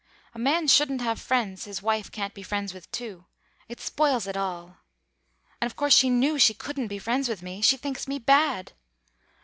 A man shouldn't have friends his wife can't be friends with too; it spoils it all. And of course she knew she couldn't be friends with me; she thinks me bad.